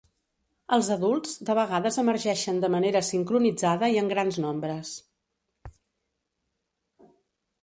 Els adults de vegades emergeixen de manera sincronitzada i en grans nombres.